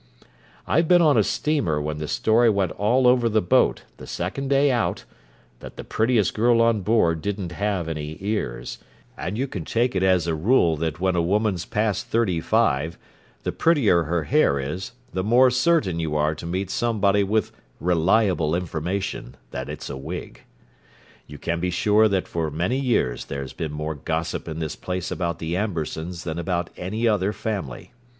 I've been on a steamer when the story went all over the boat, the second day out, that the prettiest girl on board didn't have any ears; and you can take it as a rule that when a woman's past thirty five the prettier her hair is, the more certain you are to meet somebody with reliable information that it's a wig. You can be sure that for many years there's been more gossip in this place about the Ambersons than about any other family.